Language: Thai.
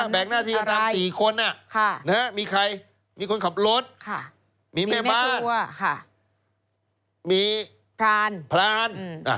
หน้าที่จะตาม๔คนมีใครมีคนขับรถมีแม่บ้านมีพรานพราน